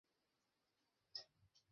সব ভুক্তভোগীদের জড়ো করতে হবে।